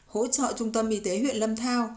hỗ trợ trung tâm y tế huyện lâm thao